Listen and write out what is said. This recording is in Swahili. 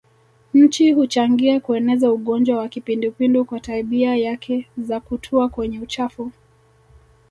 Nzi huchangia kueneza ugonjwa wa kipindupindu kwa tabia yake za kutua kwenye uchafu